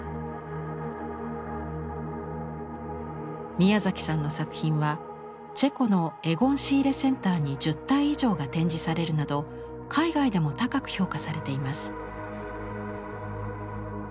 宮崎さんの作品はチェコのエゴン・シーレセンターに１０体以上が展示されるなど海外でも高く評価されています。